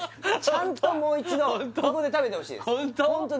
ちゃんともう一度ここで食べてほしいですホント？